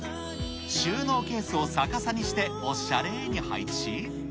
収納ケースを逆さにして、おっしゃれーに配置。